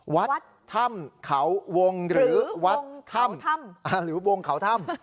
วัดถ้ำเขาวงหรือวัดถ้ำหรือวงเขาถ้ำ